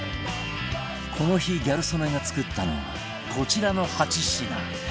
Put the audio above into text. この日ギャル曽根が作ったのはこちらの８品